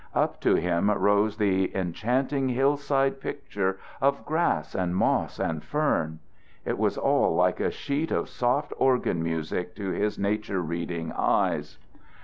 Up to him rose the enchanting hillside picture of grass and moss and fern. It was all like a sheet of soft organ music to his nature reading eyes.